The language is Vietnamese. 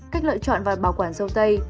cách lựa chọn và bảo quản rau tây